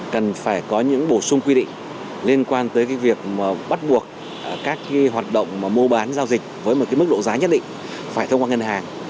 cần phải có những bổ sung quy định liên quan tới cái việc bắt buộc các hoạt động mua bán giao dịch với một cái mức độ giá nhất định phải thông qua ngân hàng